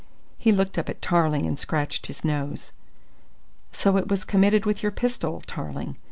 He looked up at Tarling and scratched his nose. "So it was committed with your pistol, Tarling?"